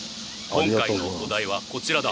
今回のお題はこちらだ。